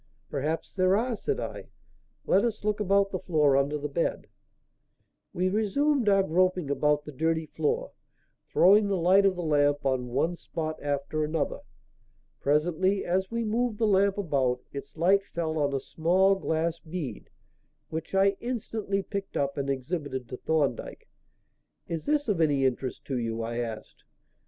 "Perhaps there are," said I. "Let us look about the floor under the bed." We resumed our groping about the dirty floor, throwing the light of the lamp on one spot after another. Presently, as we moved the lamp about, its light fell on a small glass bead, which I instantly picked up and exhibited to Thorndyke. "Is this of any interest to you?" I asked.